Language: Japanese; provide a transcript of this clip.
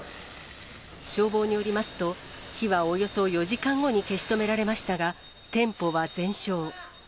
消防によりますと、火はおよそ４時間後に消し止められましたが、店舗は全焼。